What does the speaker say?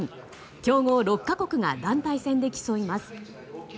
強豪６か国が団体戦で競います。